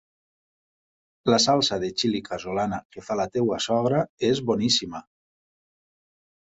La salsa de xili casolana que fa la teva sogra és boníssima.